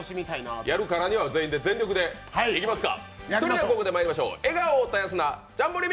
やるからには全員で全力でいきますか！